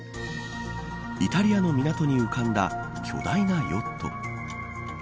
イタリアの港に浮かんだ巨大なヨット。